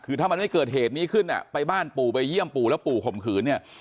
คือถ้ามันไม่เกิดเหตุนี้ขึ้นอ่ะไปบ้านปู่ไปเยี่ยมปู่แล้วปู่ข่มขืนเนี่ย